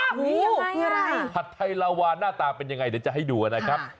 อันนี้ยังไงผัดไทยลาวาหน้าตาเป็นยังไงเดี๋ยวจะให้ดูกันนะครับ